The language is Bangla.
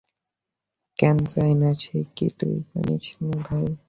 কেন চাই না সে কি তুই জানিস নে, ভাই।